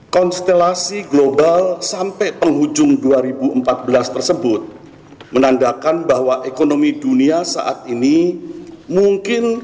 konstelasi global sampai penghujung dua ribu empat belas tersebut menandakan bahwa ekonomi dunia saat ini mungkin